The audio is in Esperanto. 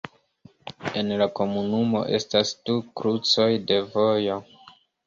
En la komunumo estas du krucoj de vojo.